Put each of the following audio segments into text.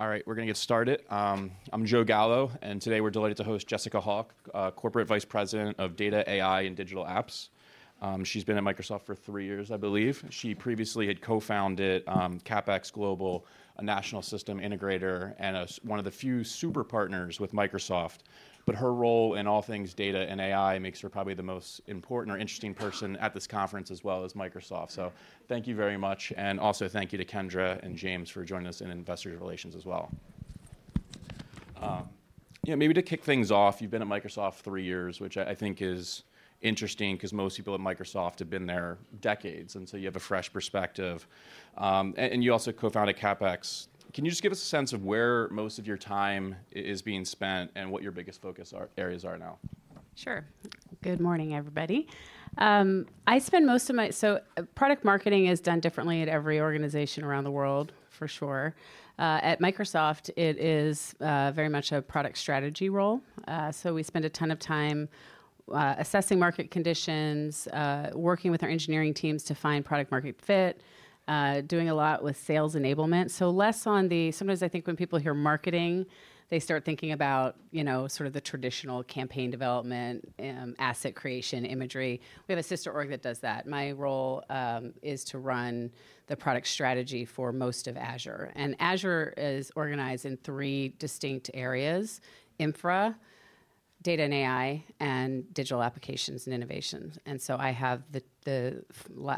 All right, we're gonna get started. I'm Joe Gallo, and today we're delighted to host Jessica Hawk, Corporate Vice President of Data, AI, and Digital Applications. She's been at Microsoft for three years, I believe. She previously had co-founded Capax Global, a national system integrator, and one of the few super partners with Microsoft. But her role in all things data and AI makes her probably the most important or interesting person at this conference, as well as Microsoft. So thank you very much, and also thank you to Kendra and James for joining us in Investor Relations as well. Yeah, maybe to kick things off, you've been at Microsoft three years, which I think is interesting 'cause most people at Microsoft have been there decades, and so you have a fresh perspective. And you also co-founded Capax.Can you just give us a sense of where most of your time is being spent and what your biggest focus areas are now? Sure. Good morning, everybody. I spend most of my—so, product marketing is done differently at every organization around the world, for sure. At Microsoft, it is very much a product strategy role. So we spend a ton of time assessing market conditions, working with our engineering teams to find product-market fit, doing a lot with sales enablement. So less on the--sometimes I think when people hear marketing, they start thinking about, you know, sort of the traditional campaign development, asset creation, imagery. We have a sister org that does that. My role is to run the product strategy for most of Azure, and Azure is organized in three distinct areas: infra, data and AI, and digital applications and innovation. And so I have the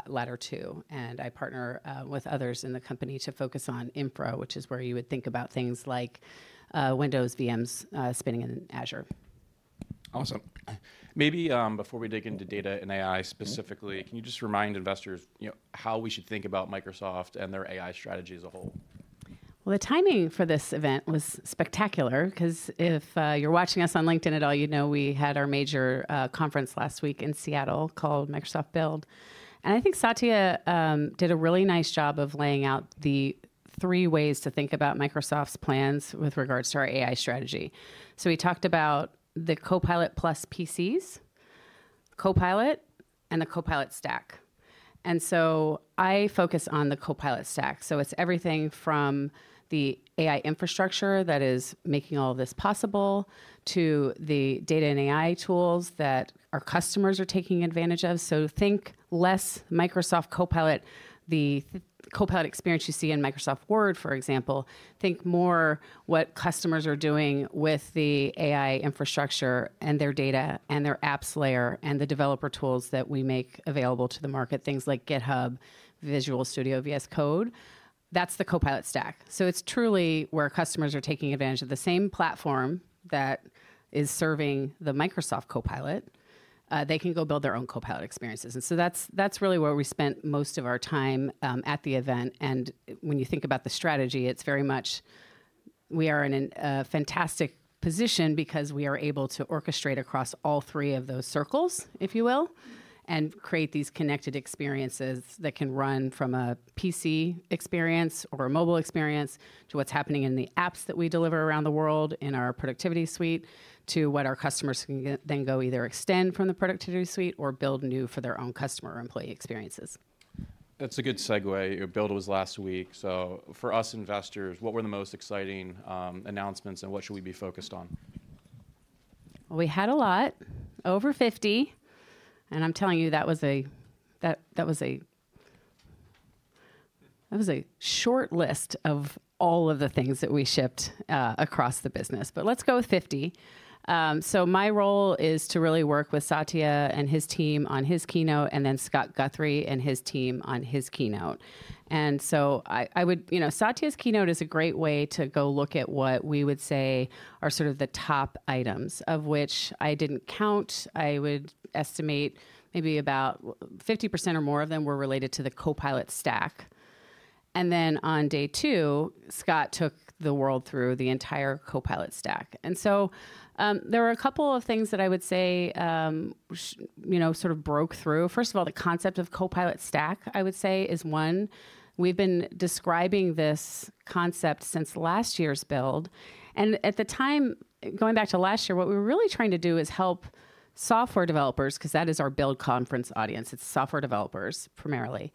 latter two, and I partner with others in the company to focus on infra, which is where you would think about things like Windows VMs spinning in Azure. Awesome. Maybe, before we dig into data and AI specifically, can you just remind investors, you know, how we should think about Microsoft and their AI strategy as a whole? Well, the timing for this event was spectacular 'cause if you're watching us on LinkedIn at all, you know we had our major conference last week in Seattle called Microsoft Build. And I think Satya did a really nice job of laying out the three ways to think about Microsoft's plans with regards to our AI strategy. So he talked about the Copilot+ PCs, Copilot, and the Copilot stack. And so I focus on the Copilot stack, so it's everything from the AI infrastructure that is making all this possible to the data and AI tools that our customers are taking advantage of. So think less Microsoft Copilot, the Copilot experience you see in Microsoft Word, for example. Think more what customers are doing with the AI infrastructure, and their data, and their apps layer, and the developer tools that we make available to the market, things like GitHub, Visual Studio, VS Code. That's the Copilot stack. So it's truly where customers are taking advantage of the same platform that is serving the Microsoft Copilot. They can go build their own Copilot experiences, and so that's really where we spent most of our time at the event. When you think about the strategy, it's very much we are in a fantastic position because we are able to orchestrate across all three of those circles, if you will, and create these connected experiences that can run from a PC experience or a mobile experience to what's happening in the apps that we deliver around the world in our productivity suite, to what our customers can then go either extend from the productivity suite or build new for their own customer or employee experiences. That's a good segue. Your build was last week, so for us investors, what were the most exciting announcements, and what should we be focused on? We had a lot, over 50, and I'm telling you, that was a short list of all of the things that we shipped across the business. But let's go with 50. So my role is to really work with Satya and his team on his keynote, and then Scott Guthrie and his team on his keynote. You know, Satya's keynote is a great way to go look at what we would say are sort of the top items, of which I didn't count. I would estimate maybe about 50% or more of them were related to the Copilot Stack. And then on day two, Scott took the world through the entire Copilot Stack. So there were a couple of things that I would say, you know, sort of broke through. First of all, the concept of Copilot Stack, I would say, is one. We've been describing this concept since last year's Build, and at the time, going back to last year, what we were really trying to do is help software developers, 'cause that is our Build conference audience, it's software developers primarily,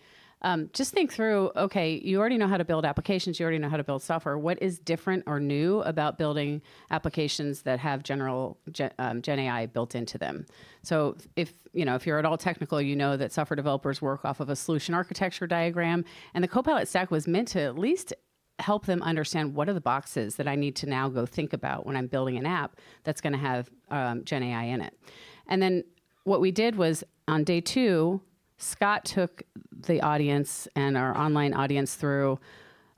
just think through: "Okay, you already know how to build applications. You already know how to build software. What is different or new about building applications that have general GenAI built into them?" So if, you know, if you're at all technical, you know that software developers work off of a solution architecture diagram, and the Copilot stack was meant to at least help them understand, "What are the boxes that I need to now go think about when I'm building an app that's gonna have GenAI in it?" And then, what we did was, on day two, Scott took the audience and our online audience through,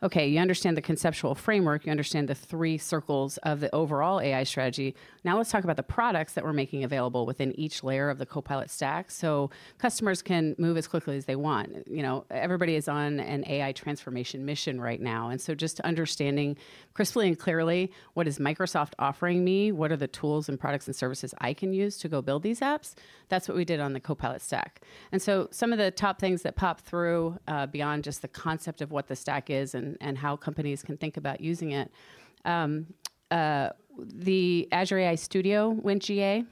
"Okay, you understand the conceptual framework. You understand the three circles of the overall AI strategy. Now let's talk about the products that we're making available within each layer of the Copilot Stack, so customers can move as quickly as they want. You know, everybody is on an AI transformation mission right now, and so just understanding crisply and clearly, what is Microsoft offering me? What are the tools and products and services I can use to go build these apps? That's what we did on the Copilot Stack. And so some of the top things that popped through, beyond just the concept of what the stack is and how companies can think about using it, the Azure AI Studio went GA,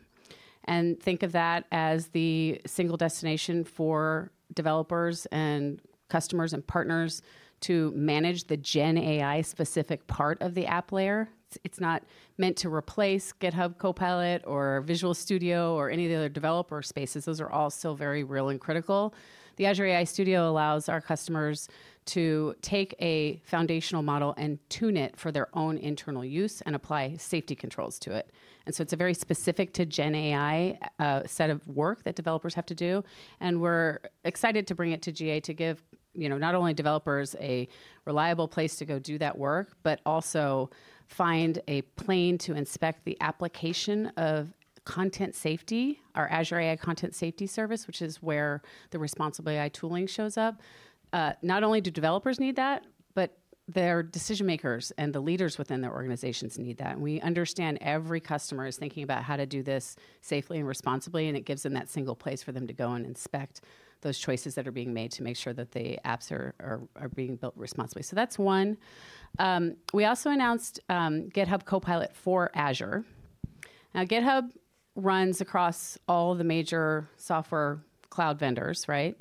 and think of that as the single destination for developers and customers and partners to manage the GenAI-specific part of the app layer. It's not meant to replace GitHub Copilot or Visual Studio or any of the other developer spaces. Those are all still very real and critical. The Azure AI Studio allows our customers to take a foundational model and tune it for their own internal use and apply safety controls to it, and so it's a very specific to GenAI set of work that developers have to do, and we're excited to bring it to GA to give, you know, not only developers a reliable place to go do that work, but also find a way to inspect the application of content safety, our Azure AI Content Safety service, which is where the responsible AI tooling shows up. Not only do developers need that, but their decision makers and the leaders within their organizations need that, and we understand every customer is thinking about how to do this safely and responsibly, and it gives them that single place for them to go and inspect those choices that are being made to make sure that the apps are being built responsibly. So that's one. We also announced GitHub Copilot for Azure. Now, GitHub runs across all the major software cloud vendors, right?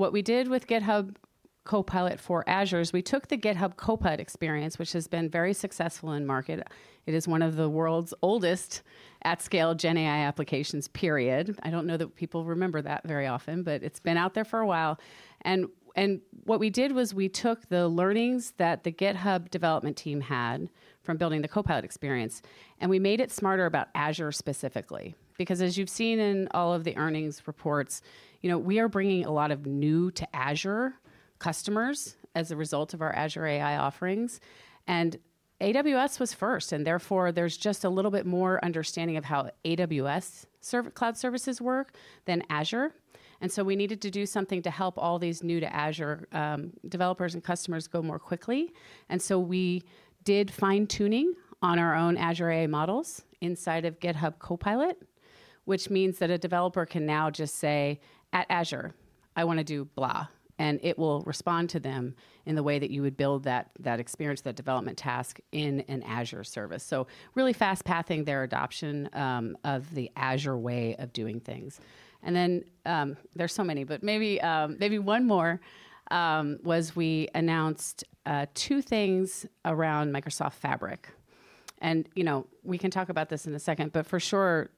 What we did with GitHub Copilot for Azure is we took the GitHub Copilot experience, which has been very successful in market. It is one of the world's oldest at-scale GenAI applications, period. I don't know that people remember that very often, but it's been out there for a while. What we did was we took the learnings that the GitHub development team had from building the Copilot experience, and we made it smarter about Azure specifically, because as you've seen in all of the earnings reports, you know, we are bringing a lot of new-to-Azure customers as a result of our Azure AI offerings. And AWS was first, and therefore, there's just a little bit more understanding of how AWS cloud services work than Azure, and so we needed to do something to help all these new to Azure developers and customers go more quickly. And so we did fine-tuning on our own Azure AI models inside of GitHub Copilot, which means that a developer can now just say, "At Azure, I wanna do blah," and it will respond to them in the way that you would build that, that experience, that development task in an Azure service. So really fast-pathing their adoption of the Azure way of doing things. And then, there's so many, but maybe, maybe one more, was we announced, two things around Microsoft Fabric, and, you know, we can talk about this in a second, but for sure,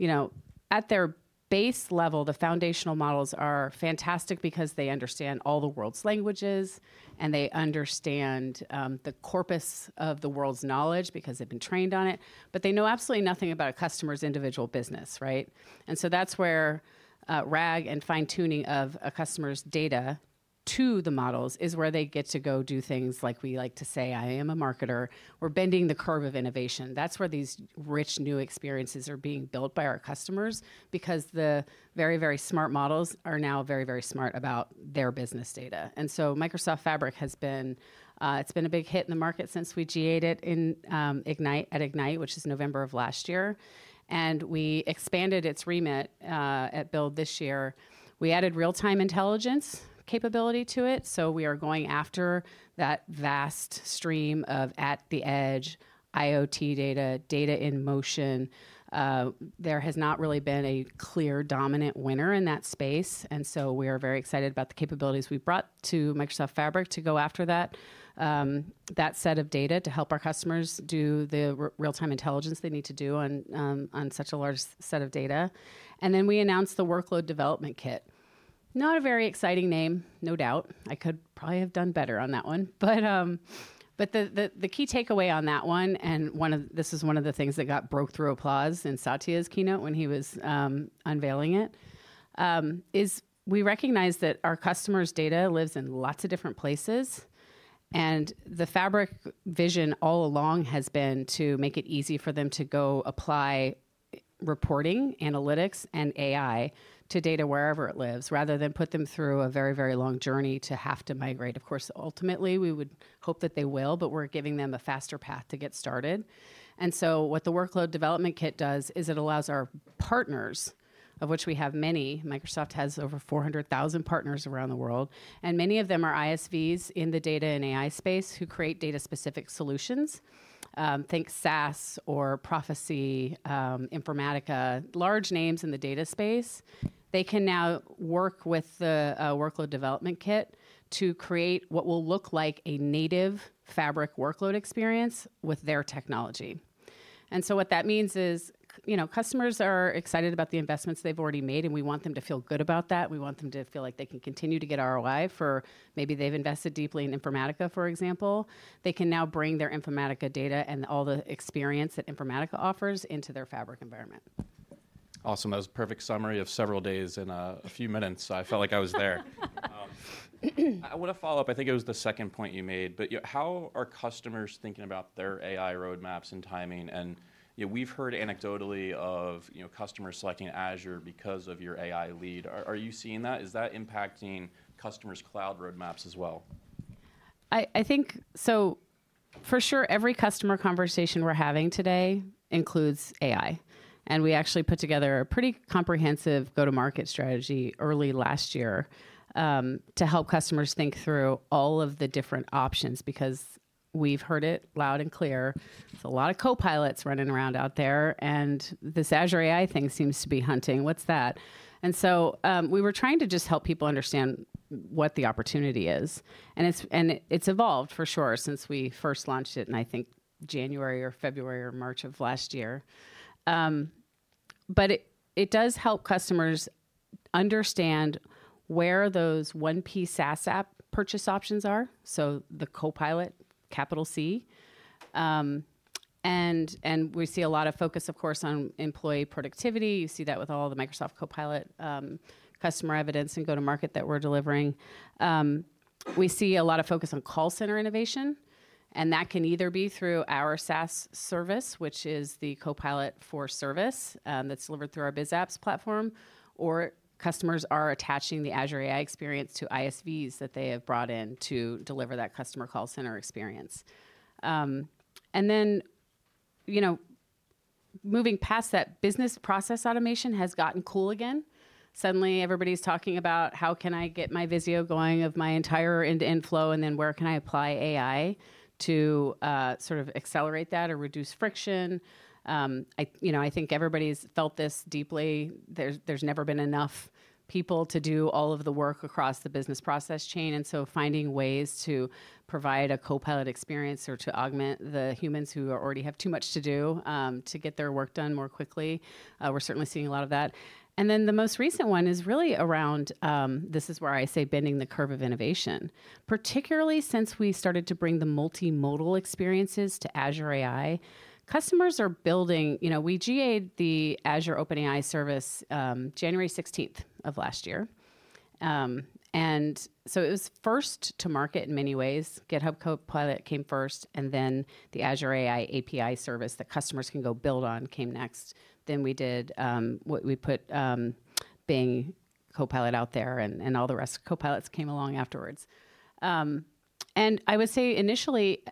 you know, at their base level, the foundational models are fantastic because they understand all the world's languages, and they understand, the corpus of the world's knowledge because they've been trained on it, but they know absolutely nothing about a customer's individual business, right? And so that's where, RAG and fine-tuning of a customer's data to the models is where they get to go do things like we like to say, "I am a marketer." We're bending the curve of innovation. That's where these rich, new experiences are being built by our customers because the very, very smart models are now very, very smart about their business data. And so Microsoft Fabric has been, it's been a big hit in the market since we GA'd it in, Ignite, at Ignite, which is November of last year, and we expanded its remit, at Build this year. We added Real-Time Intelligence capability to it, so we are going after that vast stream of at-the-edge IoT data, data in motion. There has not really been a clear dominant winner in that space, and so we are very excited about the capabilities we've brought to Microsoft Fabric to go after that set of data, to help our customers do the Real-Time Intelligence they need to do on such a large set of data. And then we announced the Workload Development Kit. Not a very exciting name, no doubt. I could probably have done better on that one. But the key takeaway on that one, this is one of the things that got breakthrough applause in Satya's keynote when he was unveiling it, is we recognize that our customers' data lives in lots of different places, and the Fabric vision all along has been to make it easy for them to go apply reporting, analytics, and AI to data wherever it lives, rather than put them through a very, very long journey to have to migrate. Of course, ultimately, we would hope that they will, but we're giving them a faster path to get started. What the Workload Development Kit does is it allows our partners, of which we have many, Microsoft has over 400,000 partners around the world, and many of them are ISVs in the data and AI space who create data-specific solutions, think SAS or Prophecy, Informatica, large names in the data space. They can now work with the Workload Development Kit to create what will look like a native Fabric workload experience with their technology. And so what that means is, you know, customers are excited about the investments they've already made, and we want them to feel good about that. We want them to feel like they can continue to get ROI for. Maybe they've invested deeply in Informatica, for example. They can now bring their Informatica data and all the experience that Informatica offers into their Fabric environment. Awesome. That was a perfect summary of several days in a few minutes. I felt like I was there. I wanna follow up, I think it was the second point you made, but how are customers thinking about their AI roadmaps and timing? And, you know, we've heard anecdotally of, you know, customers selecting Azure because of your AI lead. Are, are you seeing that? Is that impacting customers' cloud roadmaps as well? I think, so for sure, every customer conversation we're having today includes AI, and we actually put together a pretty comprehensive go-to-market strategy early last year, to help customers think through all of the different options, because we've heard it loud and clear. There's a lot of Copilots running around out there, and this Azure AI thing seems to be hunting. What's that? And so, we were trying to just help people understand what the opportunity is. And it's evolved, for sure, since we first launched it in, I think, January or February or March of last year. But it does help customers understand where those 1P SaaS app purchase options are, so the Copilot, capital C. And we see a lot of focus, of course, on employee productivity. You see that with all the Microsoft Copilot, customer evidence and go-to-market that we're delivering. We see a lot of focus on call center innovation, and that can either be through our SaaS service, which is the Copilot for Service, that's delivered through our BizApps platform, or customers are attaching the Azure AI experience to ISVs that they have brought in to deliver that customer call center experience. And then, you know, moving past that, business process automation has gotten cool again. Suddenly, everybody's talking about: How can I get my Visio going of my entire end-to-end flow, and then where can I apply AI to, sort of accelerate that or reduce friction? You know, I think everybody's felt this deeply. There's never been enough people to do all of the work across the business process chain, and so finding ways to provide a Copilot experience or to augment the humans who already have too much to do, to get their work done more quickly, we're certainly seeing a lot of that. And then the most recent one is really around, this is where I say bending the curve of innovation, particularly since we started to bring the multimodal experiences to Azure AI. Customers are building. You know, we GA'd the Azure OpenAI Service, January 16th of last year. And so it was first to market in many ways. GitHub Copilot came first, and then the Azure AI API service that customers can go build on came next. Then we did, we put Bing Copilot out there, and all the rest Copilots came along afterwards. And I would say, initially,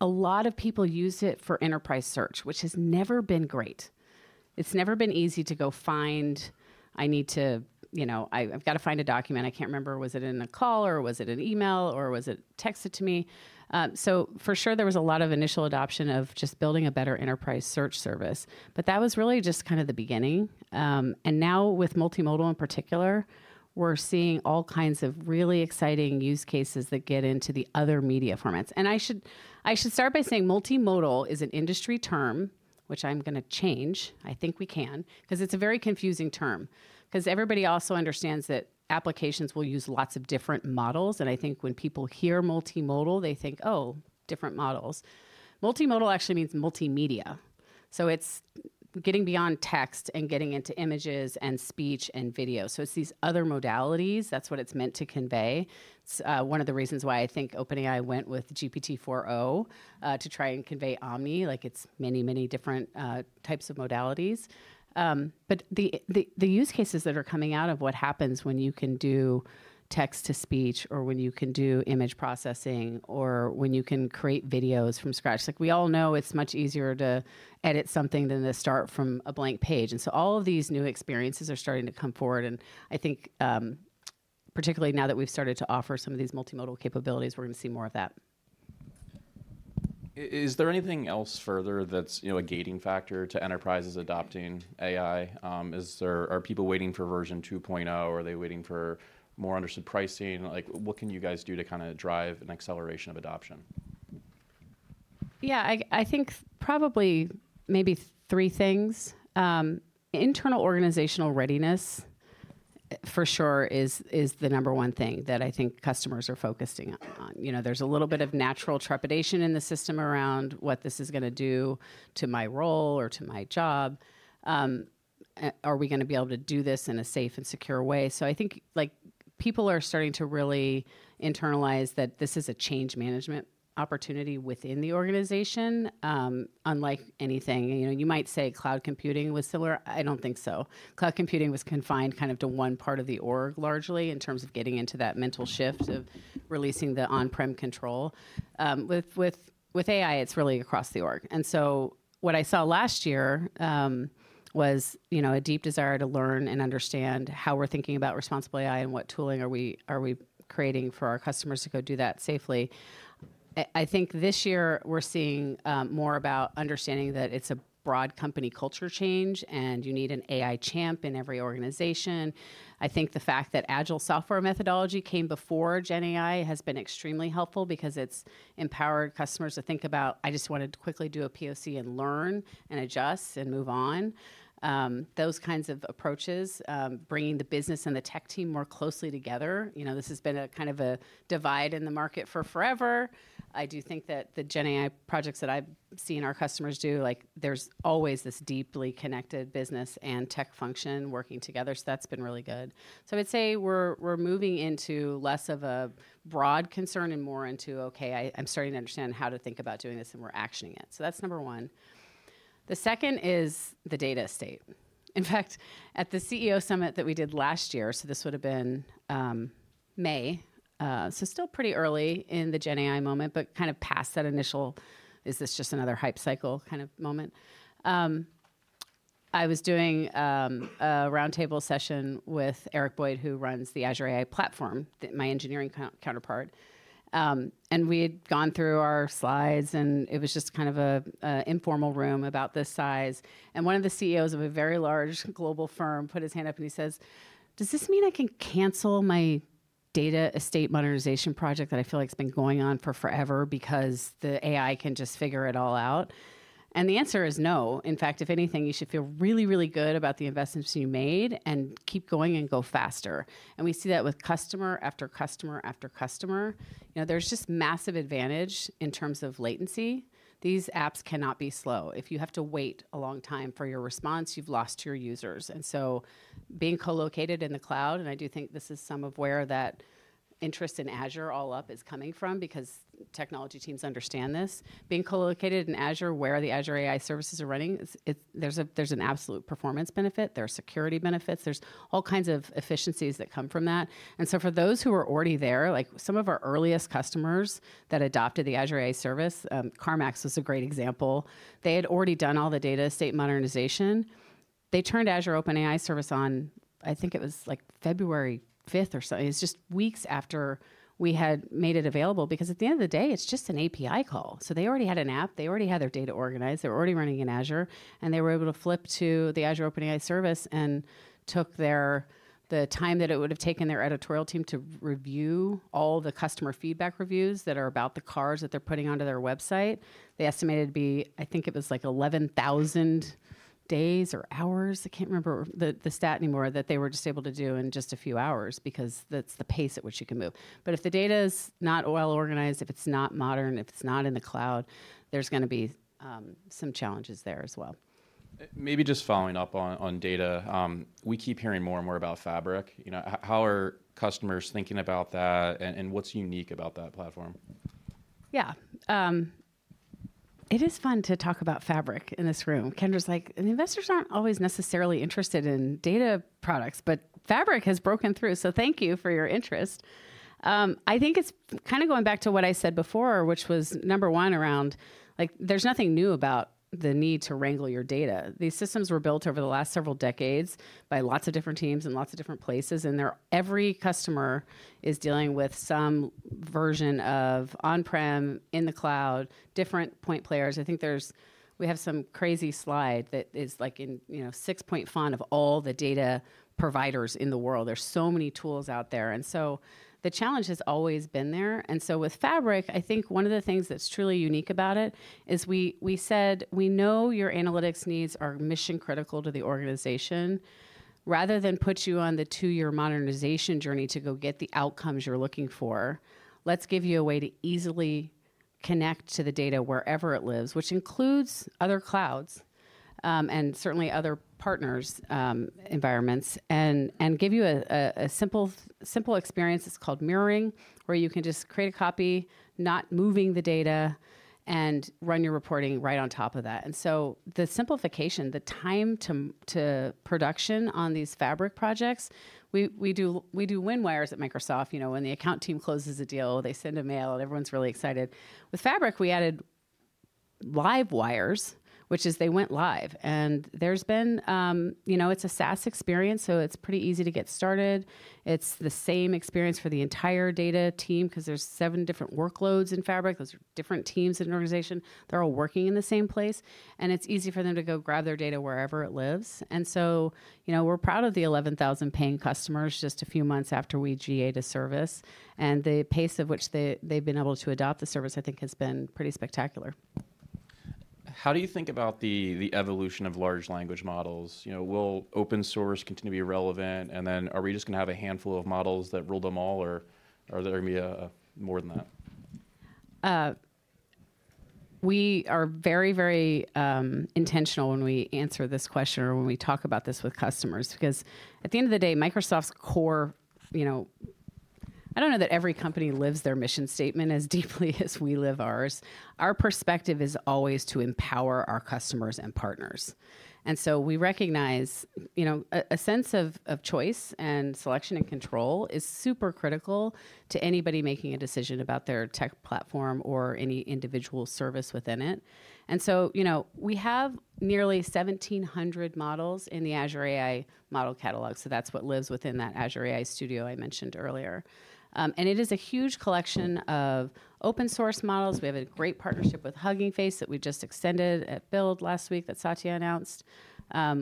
a lot of people used it for enterprise search, which has never been great. It's never been easy to go find. I need to--you know, I've gotta find a document. I can't remember, was it in a call, or was it an email, or was it texted to me? So for sure, there was a lot of initial adoption of just building a better enterprise search service, but that was really just kind of the beginning. And now, with multimodal in particular, we're seeing all kinds of really exciting use cases that get into the other media formats. And I should, I should start by saying multimodal is an industry term, which I'm gonna change. I think we can, 'cause it's a very confusing term. 'Cause everybody also understands that applications will use lots of different models, and I think when people hear multimodal, they think, "Oh, different models." Multimodal actually means multimedia, so it's getting beyond text and getting into images and speech and video. So it's these other modalities. That's what it's meant to convey. It's one of the reasons why I think OpenAI went with GPT-4o to try and convey omni, like it's many, many different types of modalities. But the use cases that are coming out of what happens when you can do text-to-speech or when you can do image processing, or when you can create videos from scratch. Like, we all know it's much easier to edit something than to start from a blank page, and so all of these new experiences are starting to come forward, and I think, particularly now that we've started to offer some of these multimodal capabilities, we're gonna see more of that. Is there anything else further that's, you know, a gating factor to enterprises adopting AI? Are people waiting for version 2.0, or are they waiting for more understood pricing? Like, what can you guys do to kinda drive an acceleration of adoption? Yeah, I think probably maybe three things. Internal organizational readiness, for sure, is the number one thing that I think customers are focusing on. You know, there's a little bit of natural trepidation in the system around: What this is gonna do to my role or to my job? Are we gonna be able to do this in a safe and secure way? So I think, like, people are starting to really internalize that this is a change management opportunity within the organization, unlike anything. You know, you might say cloud computing was similar. I don't think so. Cloud computing was confined kind of to one part of the org, largely, in terms of getting into that mental shift of releasing the on-prem control. With AI, it's really across the org. What I saw last year was, you know, a deep desire to learn and understand how we're thinking about Responsible AI and what tooling we are creating for our customers to go do that safely. I think this year, we're seeing more about understanding that it's a broad company culture change, and you need an AI champ in every organization. I think the fact that agile software methodology came before GenAI has been extremely helpful because it's empowered customers to think about, "I just wanted to quickly do a POC and learn, and adjust, and move on." Those kinds of approaches, bringing the business and the tech team more closely together, you know, this has been a kind of a divide in the market for forever. I do think that the GenAI projects that I've seen our customers do, like, there's always this deeply connected business and tech function working together, so that's been really good. So I'd say we're moving into less of a broad concern and more into, "Okay, I'm starting to understand how to think about doing this, and we're actioning it." So that's number one. The second is the data estate. In fact, at the CEO summit that we did last year, so this would've been May, so still pretty early in the GenAI moment, but kind of past that initial, "Is this just another hype cycle?" kind of moment. I was doing a roundtable session with Eric Boyd, who runs the Azure AI platform, my engineering counterpart. We'd gone through our slides, and it was just kind of a informal room about this size, and one of the CEOs of a very large global firm put his hand up, and he says: "Does this mean I can cancel my data estate modernization project that I feel like it's been going on for forever because the AI can just figure it all out?" The answer is no. In fact, if anything, you should feel really, really good about the investments you made and keep going and go faster. We see that with customer after customer after customer. You know, there's just massive advantage in terms of latency. These apps cannot be slow. If you have to wait a long time for your response, you've lost your users. Being co-located in the cloud, and I do think this is some of where that interest in Azure all up is coming from, because technology teams understand this. Being co-located in Azure, where the Azure AI services are running, is. There's an absolute performance benefit, there are security benefits, there's all kinds of efficiencies that come from that. And so for those who are already there, like some of our earliest customers that adopted the Azure AI service, CarMax was a great example. They had already done all the data estate modernization. They turned Azure OpenAI Service on, I think it was like February 5th or so. It's just weeks after we had made it available, because at the end of the day, it's just an API call. So they already had an app, they already had their data organized, they were already running in Azure, and they were able to flip to the Azure OpenAI Service and took their—the time that it would have taken their editorial team to review all the customer feedback reviews that are about the cars that they're putting onto their website. They estimated it'd be, I think it was like 11,000 days or hours, I can't remember the stat anymore, that they were just able to do in just a few hours because that's the pace at which you can move. But if the data is not well organized, if it's not modern, if it's not in the cloud, there's gonna be some challenges there as well. Maybe just following up on data. We keep hearing more and more about Fabric. You know, how are customers thinking about that, and what's unique about that platform? Yeah. It is fun to talk about Fabric in this room. Kendra's like, "And investors aren't always necessarily interested in data products, but Fabric has broken through, so thank you for your interest." I think it's kind of going back to what I said before, which was number one around, like, there's nothing new about the need to wrangle your data. These systems were built over the last several decades by lots of different teams in lots of different places, and they're every customer is dealing with some version of on-prem, in the cloud, different point players. I think there's we have some crazy slide that is, like, in, you know, 6-point font of all the data providers in the world. There's so many tools out there, and so the challenge has always been there. And so with Fabric, I think one of the things that's truly unique about it is we said: "We know your analytics needs are mission-critical to the organization. Rather than put you on the two-year modernization journey to go get the outcomes you're looking for, let's give you a way to easily connect to the data wherever it lives," which includes other clouds, and certainly other partners', environments, and give you a simple experience. It's called Mirroring, where you can just create a copy, not moving the data, and run your reporting right on top of that. And so the simplification, the time to production on these Fabric projects, we do win wires at Microsoft. You know, when the account team closes a deal, they send a mail, and everyone's really excited. With Fabric, we added live wires, which is they went live. There's been, you know, it's a SaaS experience, so it's pretty easy to get started. It's the same experience for the entire data team 'cause there's seven different workloads in Fabric. Those are different teams in an organization. They're all working in the same place, and it's easy for them to go grab their data wherever it lives. So, you know, we're proud of the 11,000 paying customers just a few months after we GA'd the service, and the pace of which they, they've been able to adopt the service, I think, has been pretty spectacular. How do you think about the evolution of large language models? You know, will open source continue to be relevant? And then are we just gonna have a handful of models that rule them all, or are there gonna be more than that? We are very, very intentional when we answer this question or when we talk about this with customers, because at the end of the day, Microsoft's core, you know. I don't know that every company lives their mission statement as deeply as we live ours. Our perspective is always to empower our customers and partners, and so we recognize, you know, a sense of choice and selection and control is super critical to anybody making a decision about their tech platform or any individual service within it. And so, you know, we have nearly 1,700 models in the Azure AI model catalog, so that's what lives within that Azure AI Studio I mentioned earlier. And it is a huge collection of open-source models. We have a great partnership with Hugging Face that we've just extended at Build last week, that Satya announced,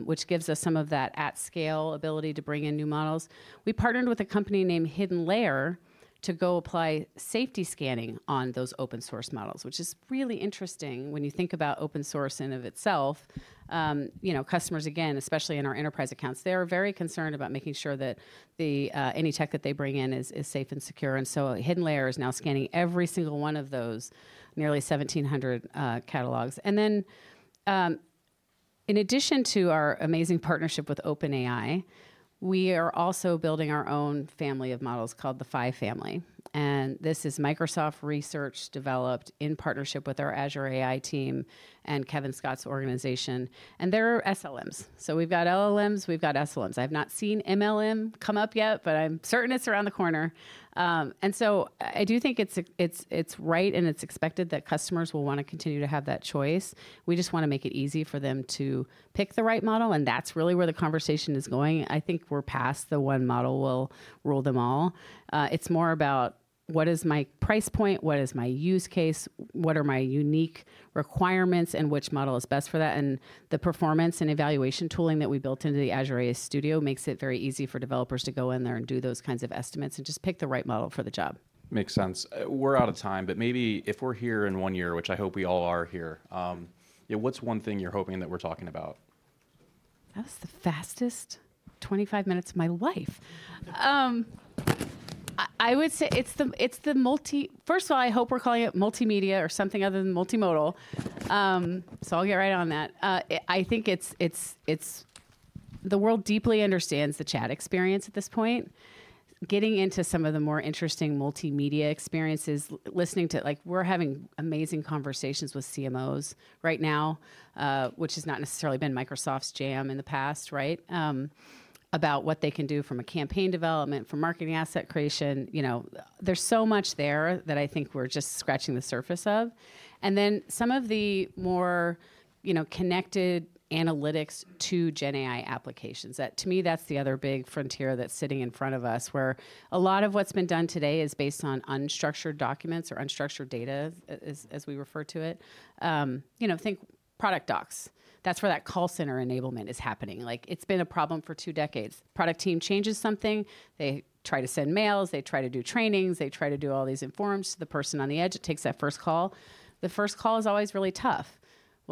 which gives us some of that at scale ability to bring in new models. We partnered with a company named HiddenLayer to go apply safety scanning on those open-source models, which is really interesting when you think about open source in and of itself. You know, customers, again, especially in our enterprise accounts, they are very concerned about making sure that the any tech that they bring in is safe and secure, and so HiddenLayer is now scanning every single one of those nearly 1,700 catalogs. And then, in addition to our amazing partnership with OpenAI, we are also building our own family of models called the Phi family, and this is Microsoft Research, developed in partnership with our Azure AI team and Kevin Scott's organization, and they're SLMs. So we've got LLMs, we've got SLMs. I've not seen MLM come up yet, but I'm certain it's around the corner. And so I do think it's right, and it's expected that customers will wanna continue to have that choice. We just wanna make it easy for them to pick the right model, and that's really where the conversation is going. I think we're past the one model will rule them all. It's more about what is my price point? What is my use case? What are my unique requirements, and which model is best for that? The performance and evaluation tooling that we built into the Azure AI Studio makes it very easy for developers to go in there and do those kinds of estimates and just pick the right model for the job. Makes sense. We're out of time, but maybe if we're here in one year, which I hope we all are here, yeah, what's one thing you're hoping that we're talking about? That was the fastest 25 minutes of my life. First of all, I hope we're calling it multimedia or something other than multimodal. So I'll get right on that. I think it's the world deeply understands the chat experience at this point. Getting into some of the more interesting multimedia experiences, listening to like, we're having amazing conversations with CMOs right now, which has not necessarily been Microsoft's jam in the past, right? About what they can do from a campaign development, from marketing asset creation. You know, there's so much there that I think we're just scratching the surface of. And then some of the more, you know, connected analytics to GenAI applications. To me, that's the other big frontier that's sitting in front of us, where a lot of what's been done today is based on unstructured documents or unstructured data, as we refer to it. You know, think product docs. That's where that call center enablement is happening. Like, it's been a problem for two decades. Product team changes something, they try to send mails, they try to do trainings, they try to do all these informs. The person on the edge takes that first call. The first call is always really tough.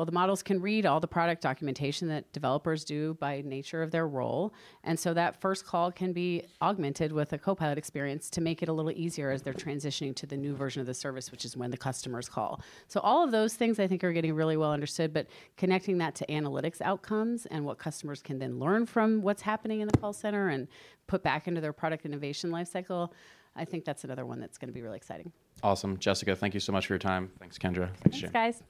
Well, the models can read all the product documentation that developers do by nature of their role, and so that first call can be augmented with a Copilot experience to make it a little easier as they're transitioning to the new version of the service, which is when the customers call. All of those things I think are getting really well understood, but connecting that to analytics outcomes and what customers can then learn from what's happening in the call center and put back into their product innovation life cycle, I think that's another one that's gonna be really exciting. Awesome. Jessica, thank you so much for your time. Thanks, Kendra. Thanks, James. Thanks, guys.